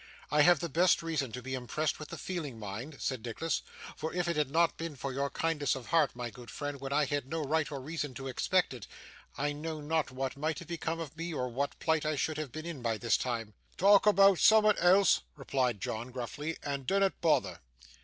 'I have the best reason to be impressed with the feeling, mind,' said Nicholas; 'for if it had not been for your kindness of heart, my good friend, when I had no right or reason to expect it, I know not what might have become of me or what plight I should have been in by this time.' 'Talk aboot soom'at else,' replied John, gruffly, 'and dinnot bother.